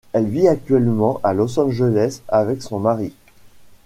Elle vit actuellement à Los Angeles avec son mari.